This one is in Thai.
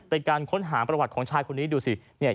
ในการค้นหาประหวัติของชายคนนี้ดูสิ